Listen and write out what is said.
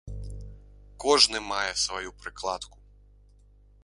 Кожны мае сваю прыкладку.